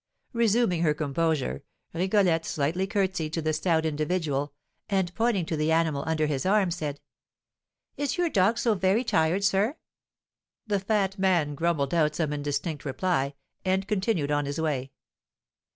Resuming her composure, Rigolette slightly curtseyed to the stout individual, and pointing to the animal under his arm, said: "Is your dog so very tired, sir?" The fat man grumbled out some indistinct reply, and continued on his way.